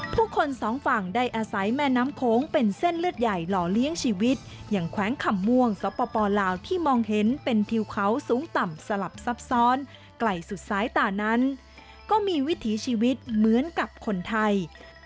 ผู้คนสองฝั่งได้อาศัยแม่น้ำโขงเป็นเส้นเลือดใหญ่หล่อเลี้ยงชีวิตอย่างแขวงคำม่วงสปลาวที่มองเห็นเป็นทิวเขาสูงต่ำสลับซับซ้อนไกลสุดสายตานั้นก็มีวิถีชีวิตเหมือนกับคนไทย